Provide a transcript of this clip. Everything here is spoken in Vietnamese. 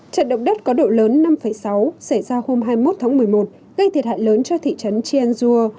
trận động đất có độ lớn năm sáu xảy ra hôm hai mươi một tháng một mươi một gây thiệt hại lớn cho thị trấn chingzuo